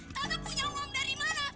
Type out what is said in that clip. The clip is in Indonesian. karena punya uang dari mana